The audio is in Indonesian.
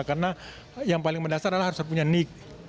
karena yang paling mendasar adalah harus punya nik